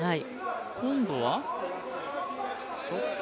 今度は。